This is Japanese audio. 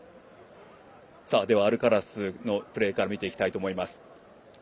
アルカラスのプレーから見ていきたいと思います。